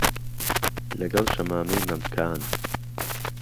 له گهل شهمامەی مهمکان